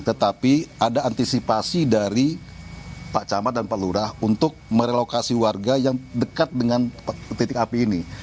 tetapi ada antisipasi dari pak camat dan pak lurah untuk merelokasi warga yang dekat dengan titik api ini